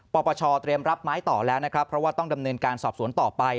ปปชเตรียมรับไม้ต่อแล้วนะครับเพราะว่าต้องดำเนินการสอบสวนต่อไป